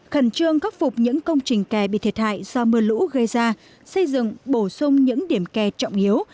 khẩn trương khắc phục những công trình kè bị thiệt hại do mưa lũ gây ra xây dựng bổ sung những điểm kè trọng yếu